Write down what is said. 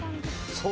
そう？